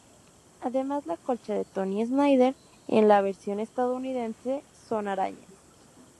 Además, la colcha de Tony Snyder en la versión estadounidense son arañas.